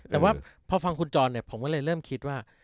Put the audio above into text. แต่ว่าพอฟังคุณจรเนี่ยผมก็เลยเริ่มคิดว่า